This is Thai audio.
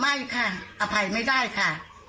ไม่ค่ะอภัยไม่ได้ค่ะ